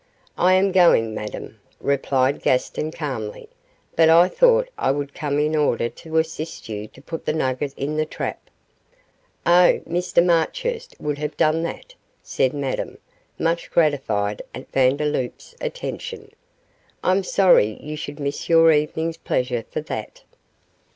'I am going, Madame,' replied Gaston, calmly, 'but I thought I would come up in order to assist you to put the nugget in the trap.' 'Oh, Mr Marchurst would have done that,' said Madame, much gratified at Vandeloup's attention. 'I'm sorry you should miss your evening's pleasure for that.